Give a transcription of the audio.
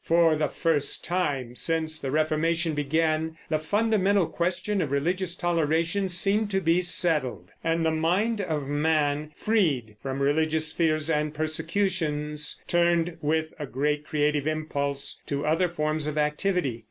For the first time since the Reformation began, the fundamental question of religious toleration seemed to be settled, and the mind of man, freed from religious fears and persecutions, turned with a great creative impulse to other forms of activity.